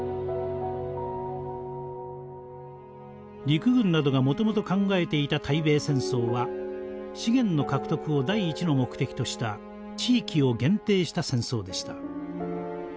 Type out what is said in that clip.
陸軍などがもともと考えていた対米戦争は資源の獲得を第１の目的とした地域を限定した戦争でした。